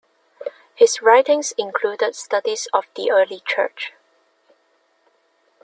His writings included studies of the early Church.